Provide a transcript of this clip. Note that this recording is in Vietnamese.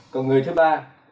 còn người thứ ba